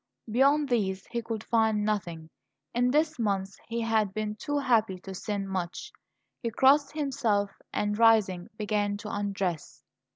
Beyond these he could find nothing; in this month he had been too happy to sin much. He crossed himself, and, rising, began to undress.